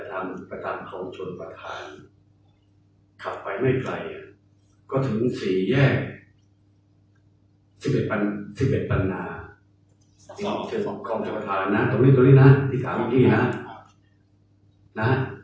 แล้วผมก็ขับรถเครื่องจะแเร่งเรียกว่าไปทำของส่วนประธาน